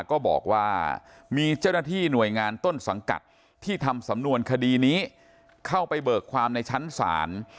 ก็บอกว่ามีเจ้าหน้าที่หน่วยงานต้นสังกัดที่ทำสำนวนคดีนี้เข้าไปเบิกความในชั้นศาล